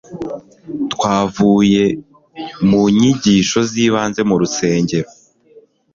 twavuye ku nyigisho z ibanze murusengero